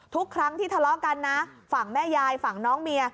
ทุกครั้งที่ทะเลาะกันนะฝั่งแม่ยายฝั่งน้องเมีย